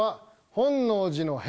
本能寺の変